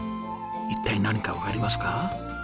一体何かわかりますか？